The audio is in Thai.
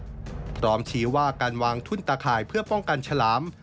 พร้อมชี้ว่าการวางทุ่นตาข่ายเพื่อป้องกันฉลาม